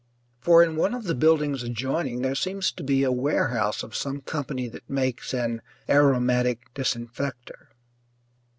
For in one of the buildings adjoining there seems to be a warehouse of some company that makes an "aromatic disinfector."